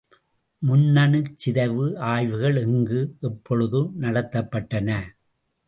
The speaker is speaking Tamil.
முன்னணுச் சிதைவு ஆய்வுகள் எங்கு, எப்பொழுது நடத்தப் பட்டன?